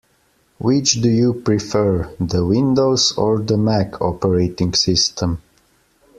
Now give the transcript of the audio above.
Which do you prefer: the Windows or the Mac operating system?